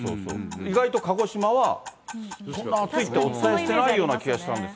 意外と鹿児島はそんな暑いって、お伝えしていないような気がしたんです。